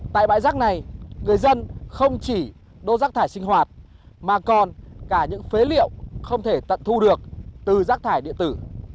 tại bãi rác này người dân không chỉ đốt rác thải sinh hoạt mà còn cả những phế liệu không thể tận thu được từ rác thải điện tử